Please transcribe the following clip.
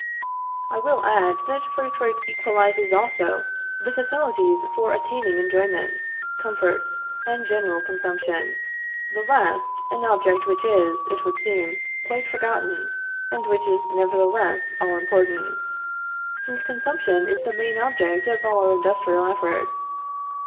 I will add that free trade equalizes also the facilities for attaining enjoyments, comforts, and general consumption; the last an object which is, it would seem, quite forgotten, and which is nevertheless all important; since consumption is the main object of all our industrial efforts.